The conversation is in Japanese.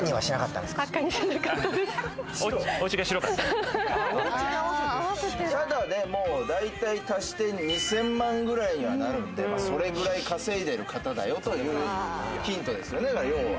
ただ大体、足して２０００万ぐらいにはなるんで、それぐらい稼いでる方だよというヒントです